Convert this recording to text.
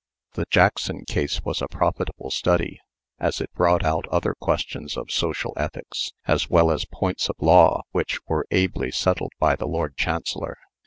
The Jackson case was a profitable study, as it brought out other questions of social ethics, as well as points of law which were ably settled by the Lord Chancellor.